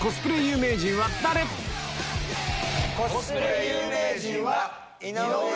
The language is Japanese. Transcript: コスプレ有名人は。